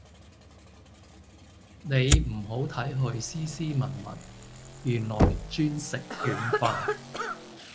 你唔好睇佢斯斯文文，原來專食軟飯